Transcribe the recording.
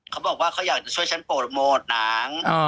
เขาบอกว่าเขาอยากจะช่วยฉันโปรโมทหนัง